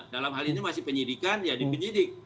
dalam hal ini masih penyidikan ya dipenjidik